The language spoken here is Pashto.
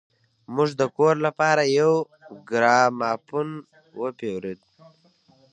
موږ د کور لپاره يو ګرامافون وپېرود.